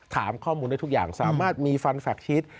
ถามข้อมูลได้ทุกอย่างสามารถมีฟันแฟคชีส